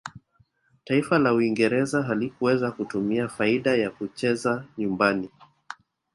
taifa la uingereza halikuweza kutumia faida ya kucheza nyumbani